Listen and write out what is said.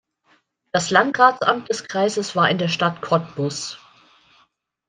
Das Landratsamt des Kreises war in der Stadt Cottbus.